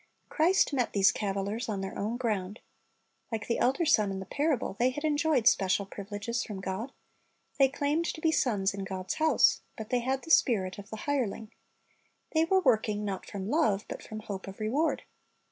Christ met these cavilers on their own ground. Like the elder son in the parable, they had enjoyed special privileges from God. They claimed to be sons in God's house, but they had the spirit of the hireling. They were working, not from love, but from hope of reward.